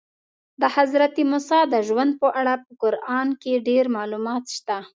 د حضرت موسی د ژوند په اړه په قرآن کې ډېر معلومات شته.